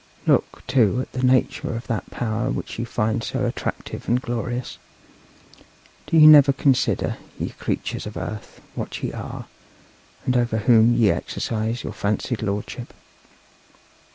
Look, too, at the nature of that power which ye find so attractive and glorious! Do ye never consider, ye creatures of earth, what ye are, and over whom ye exercise your fancied lordship?